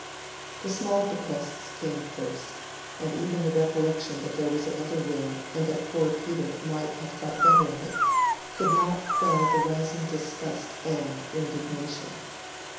The small bequests came first, and even the recollection that there was another will and that poor Peter might have thought better of it, could not quell the rising disgust and indignation.